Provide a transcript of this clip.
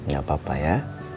gak apa apa ya